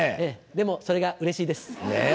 でもそれがうれしいです。ねぇ。